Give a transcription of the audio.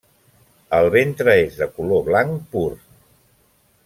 El ventre és de color blanc pur.